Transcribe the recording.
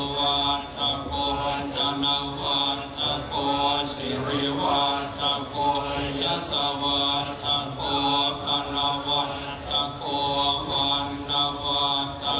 และรูปที่สิบคุณโกสิบฤทธิ์ที่รงผู้ยภาคสาวหัวหน้าคณะในศาลอายา